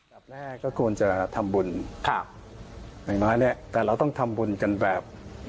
และก็ควรจะทำบุญค่ะแต่เราต้องทำบุญกันแบบ